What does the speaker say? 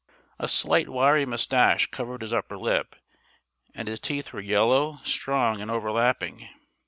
A slight wiry moustache covered his upper lip, and his teeth were yellow, strong, and overlapping.